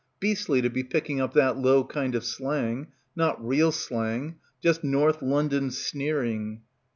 Beastly, to be picking up that low kind of slang — not real slang. Just North London sneering.